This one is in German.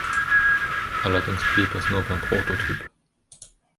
Allerdings blieb es nur beim Prototyp.